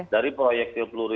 dari proyektil peluru